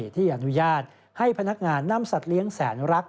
ที่อนุญาตให้พนักงานนำสัตว์เลี้ยงแสนรัก